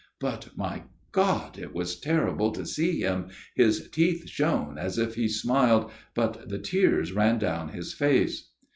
But, my God ! it was terrible to see him, his teeth shone as if he smiled, but the tears ran down his face.